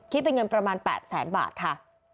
คิดเป็นเงินประมาณ๘แสนบาทค่ะ